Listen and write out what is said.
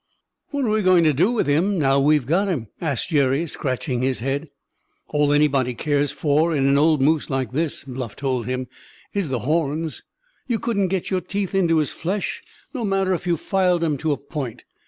"What are we going to do with him, now we've got him?" asked Jerry, scratching his head. "All anybody cares for in an old moose like this," Bluff told him, "is the horns. You couldn't get your teeth into his flesh, no matter if you filed 'em to a point.